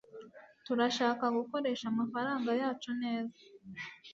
Turashaka gukoresha amafaranga yacu neza.